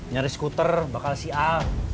nyari skuter bakal sial